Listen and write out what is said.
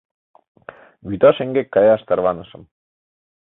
Вӱта шеҥгек каяш тарванышым.